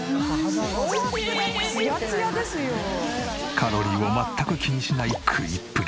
カロリーを全く気にしない食いっぷり。